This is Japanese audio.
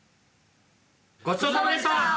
「ごちそうさまでした！」。